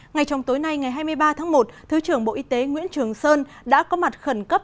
ngay trong tối nay ngày hai mươi ba tháng một thứ trưởng bộ y tế nguyễn trường sơn đã có mặt khẩn cấp